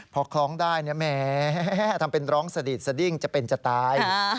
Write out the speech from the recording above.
พอคล้องได้แหมทำเป็นร้องสดดีดสดิ้งจะเป็นจะตาย